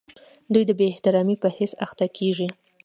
دوی د بې احترامۍ په حس اخته کیږي.